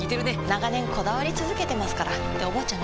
長年こだわり続けてますからっておばあちゃん